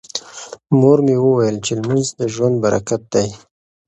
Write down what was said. مور مې وویل چې لمونځ د ژوند برکت دی.